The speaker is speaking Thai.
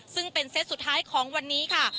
ซึ่งเป็นเซตสุดท้ายของวันนี้ค่ะ